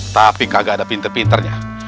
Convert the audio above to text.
tapi kagak ada pintar pintarnya